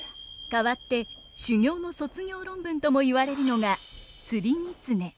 かわって修業の卒業論文とも言われるのが「釣狐」。